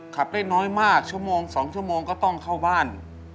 ขับได้น้อยมากชั่วโมง๒ชั่วโมงก็ต้องเข้าบ้าน